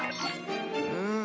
うん。